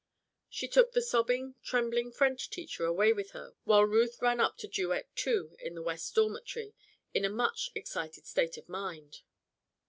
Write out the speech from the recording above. She took the sobbing, trembling French teacher away with her while Ruth ran up to Duet Two in the West Dormitory, in a much excited state of mind.